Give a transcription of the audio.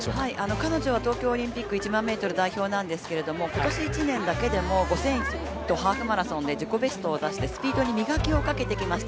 彼女は東京オリンピック１万ｍ代表なんですけど今年１年だけでも５０００とハーフマラソンで自己ベストを出してスピードに磨きをかけてきました。